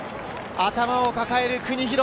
頭を抱える国広。